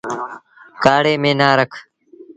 ڪآڙي ميݩ نا رک۔